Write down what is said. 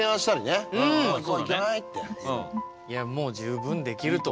いやもう十分できると思います。